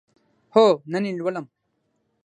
هو، نن یی لولم